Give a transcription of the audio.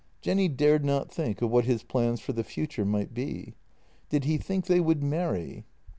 Jenny dared not think of what his plans for the future might be. Did he think they would marry?